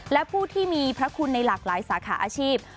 และผู้ที่มีพระคุณในหลากหลายสาขาอาชีพ